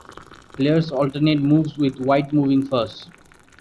Players alternate moves with White moving first.